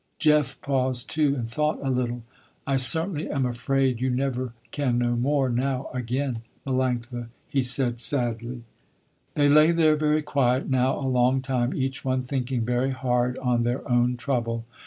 Jeff paused too, and thought a little. "I certainly am afraid you never can no more now again, Melanctha," he said sadly. They lay there very quiet now a long time, each one thinking very hard on their own trouble.